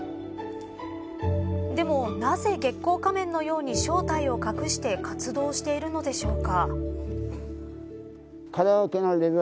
でも、なぜ月光仮面のように正体を隠して活動しているんでしょうか。